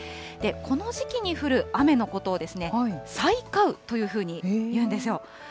この時期に降る雨のことを催花雨というふうにいうんですよ。